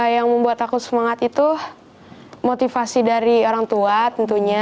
yang membuat aku semangat itu motivasi dari orang tua tentunya